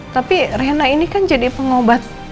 tapi rena ini kan jadi pengobat